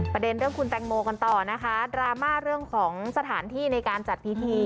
ประเด็นเรื่องคุณแตงโมกันต่อนะคะดราม่าเรื่องของสถานที่ในการจัดพิธี